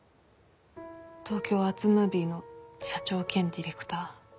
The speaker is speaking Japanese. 東京アーツムービーの社長兼ディレクター